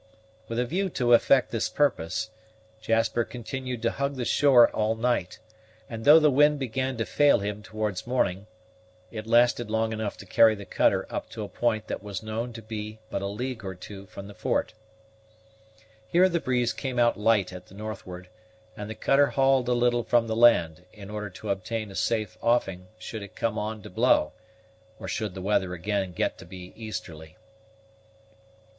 With a view to effect this purpose, Jasper continued to hug the shore all night; and though the wind began to fail him towards morning, it lasted long enough to carry the cutter up to a point that was known to be but a league or two from the fort. Here the breeze came out light at the northward, and the cutter hauled a little from the land, in order to obtain a safe offing should it come on to blow, or should the weather again get to be easterly.